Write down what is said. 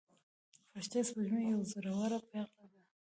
فرشته سپوږمۍ یوه زړوره پيغله ده.